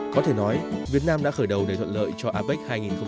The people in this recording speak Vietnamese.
có thể nói việt nam đã khởi đầu đầy thuận lợi cho apec hai nghìn một mươi bảy